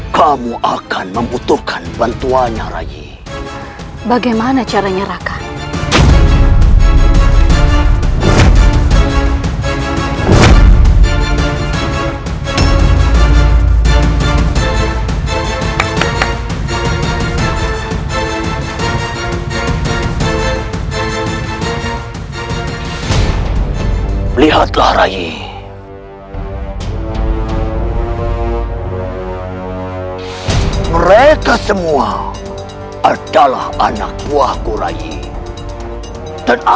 sampai jumpa di video selanjutnya